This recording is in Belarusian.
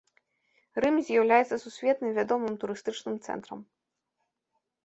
Рым з'яўляецца сусветна вядомым турыстычным цэнтрам.